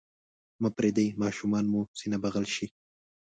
مه پرېږدئ ماشومان مو سینه بغل شي.